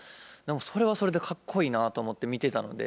それはそれでかっこいいなと思って見てたので。